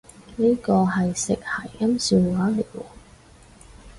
呢個係食諧音笑話嚟喎？